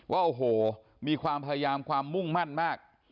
ว่าโอ้โหมีความพยายามความมุ่งมั่นมาก